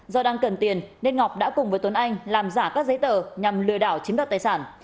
do đang cần tiền nên ngọc đã cùng với tuấn anh làm giả các giấy tờ nhằm lừa đảo chiếm đoạt tài sản